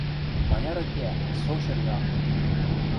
Маняры кеӓ, со шӹргӹ ак пӹтӹ.